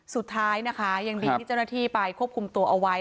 สุดท้ายนะคะยังดีที่เจ้าหน้าที่ไปควบคุมตัวเอาไว้